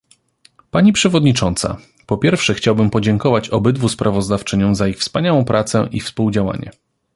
Pani przewodnicząca, po pierwsze chciałbym podziękować obydwu sprawozdawczyniom za ich wspaniałą pracę i współdziałanie